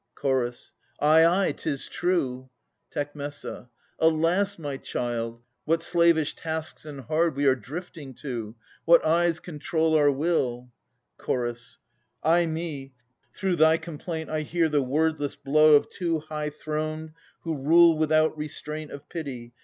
Ch. Ay, ay, 'tis true. Tec. Alas, my child! what slavish tasks and hard We are drifting to! What eyes control our will! Ch. Ay m,e! Through thy complaint I hear the wordless blow Of two high throned, who rule without restraint Of Pity.